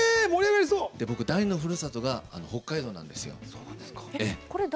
僕、第２のふるさとが北海道なんですよ。